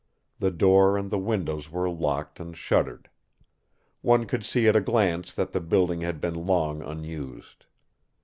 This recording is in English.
The door and the windows were locked and shuttered. One could see at a glance that the building had been long unused.